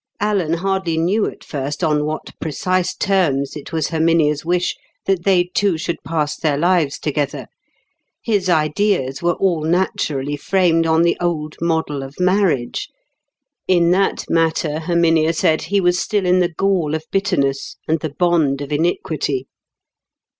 Alan hardly knew at first on what precise terms it was Herminia's wish that they two should pass their lives together. His ideas were all naturally framed on the old model of marriage; in that matter, Herminia said, he was still in the gall of bitterness, and the bond of iniquity.